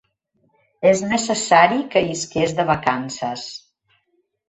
És necessari que isques de vacances.